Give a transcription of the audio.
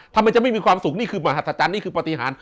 ทำไมจะไม่มีความสุขนี่คือมหัศจรรย์นี่คือปฏิหาร